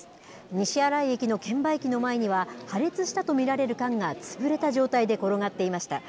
西新井駅の券売機の前には、破裂したと見られる缶が潰れた状態で転がっていました。